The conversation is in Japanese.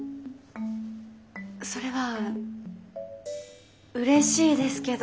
それはうれしいですけど。